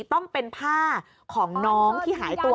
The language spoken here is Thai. ต้องเป็นผ้าของน้องที่หายตัว